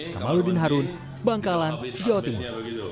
kamaludin harun bangkalan jawa timur